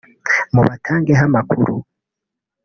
mubatangeho amakuru